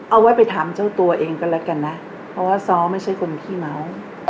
เอาไว้ไปถามเจ้าตัวเองกันแล้วกันนะเพราะว่าซ้อไม่ใช่คนขี้เมา